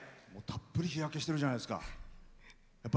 たっぷり日焼けしてるじゃないですか。